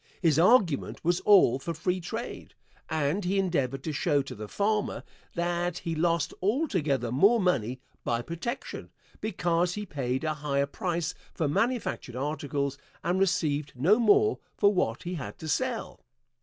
His argument was all for free trade, and he endeavored to show to the farmer that he lost altogether more money by protection, because he paid a higher price for manufactured articles and received no more for what he had to sell.